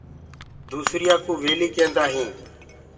دوسريآ ڪوُ ويلي ڪيندآ هينٚ۔